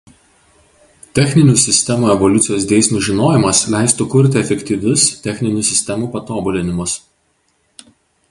Techninių sistemų evoliucijos dėsnių žinojimas leistų kurti efektyvius techninių sistemų patobulinimus.